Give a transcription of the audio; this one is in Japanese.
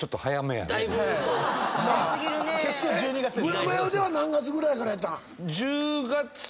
ブラマヨでは何月ぐらいからやったん？